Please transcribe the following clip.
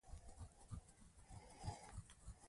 انګریزي ځواک به تېښته وکړي.